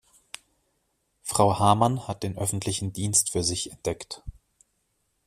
Frau Hamann hat den öffentlichen Dienst für sich entdeckt.